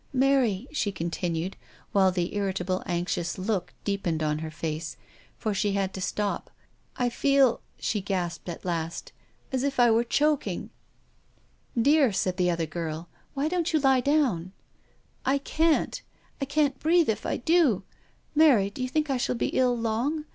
"Mary," she continued, while the irritable anxious look deepened on her face — she had to stop —" I feel," she gasped at last, " as if I were choking." " Dear," said the other girl, whose heart had absolutely stood still, "why don't you lie down ?"" I can't — I can't breathe if I do. Mary, do you think I shall be ill long?